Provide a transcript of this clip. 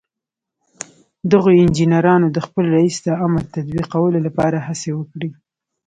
دغو انجنيرانو د خپل رئيس د امر تطبيقولو لپاره هڅې وکړې.